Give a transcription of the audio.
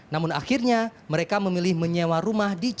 namun akhirnya mereka memilih menyewa rumah yang tidak ada